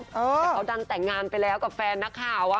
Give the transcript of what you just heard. แต่เขาดันแต่งงานไปแล้วกับแฟนนักข่าว